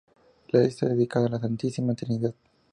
La iglesia está dedicada a la Santísima Trinidad.